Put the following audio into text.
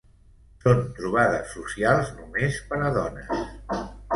Són trobades socials només per a dones.